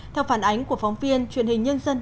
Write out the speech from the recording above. theo phản ánh của phóng viên truyền hình nhân dân